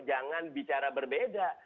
jangan bicara berbeda